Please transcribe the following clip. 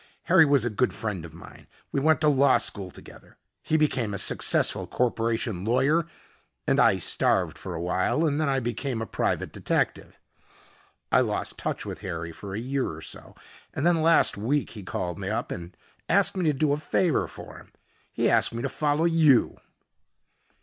Harry was a good friend of mine. We went to law school together. He became a successful corporation lawyer and I starved for a while and then I became a private detective. I lost touch with Harry for a year or so and then last week he called me up and asked me to do a favor for him. He asked me to follow you."